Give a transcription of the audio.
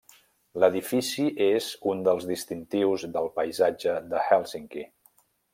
L'edifici és un dels distintius del paisatge de Hèlsinki.